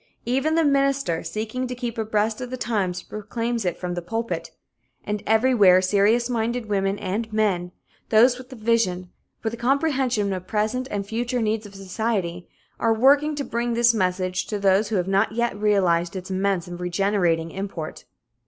Even the minister, seeking to keep abreast of the times, proclaims it from the pulpit. And everywhere, serious minded women and men, those with the vision, with a comprehension of present and future needs of society, are working to bring this message to those who have not yet realized its immense and regenerating import.